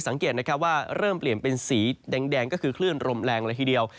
สังเกตนะครับว่าเริ่มเปลี่ยนเป็นสีแดงก็คือคลื่นลมแรงเลยทีเดียว